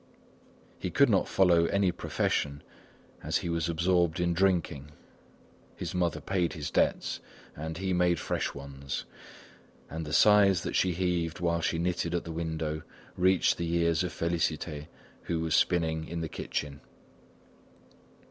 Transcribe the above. He could not follow any profession as he was absorbed in drinking. His mother paid his debts and he made fresh ones; and the sighs that she heaved while she knitted at the window reached the ears of Félicité who was spinning in the kitchen.